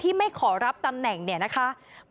ทีนี้จากรายทื่อของคณะรัฐมนตรี